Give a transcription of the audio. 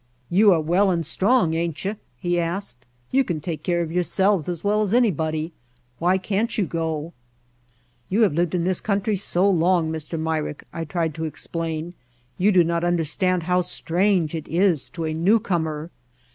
"You are well and strong, ain't you?" he asked. "You can take care of yourselves as well as anybody. Why can't you go?" "You have lived in this country so long, Mr. Myrick," I tried to explain, "you do not under stand how strange it is to a newcomer.